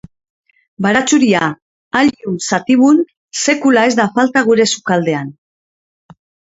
Baratxuria, Allium sativum, sekula ez da falta gure sukaldean.